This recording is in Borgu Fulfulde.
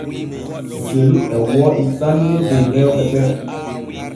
Belu e wooɗi sanne der rewɓe ɓe.